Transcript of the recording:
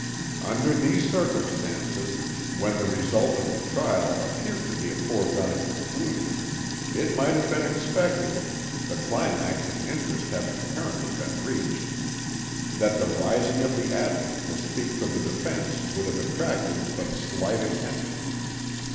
Under these circumstances, when the result of the trial appeared to be a foregone conclusion, it might have been expected, the climax of interest having apparently been reached, that the rising of the Advocate to speak for the defence would have attracted but slight attention.